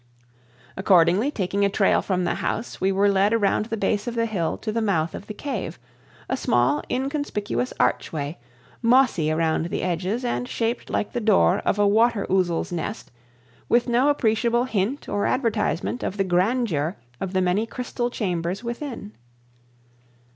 Accordingly taking a trail from the house, we were led around the base of the hill to the mouth of the cave, a small inconspicuous archway, mossy around the edges and shaped like the door of a water ouzel's nest, with no appreciable hint or advertisement of the grandeur of the many crystal chambers within.